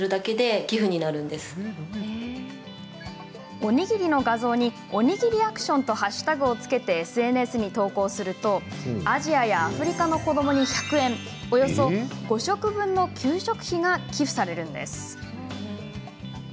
おにぎりの画像に「おにぎりアクション」と＃をつけてＳＮＳに投稿するとアジアやアフリカの子どもに１００円、およそ５食分の給食費が寄付されるんです。